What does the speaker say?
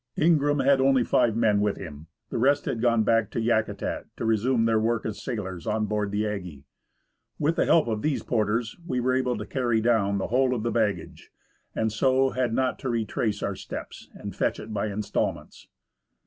Ingraham had only five men with him. The rest had gone back to Yakutat to resume their work as sailors on board the Aggie. With the help of these porters, we were able to carry down 163 THE ASCENT OF MOUNT ST. ELIAS the whole of the baggage, and so had not to retrace our steps and fetch it by instalments.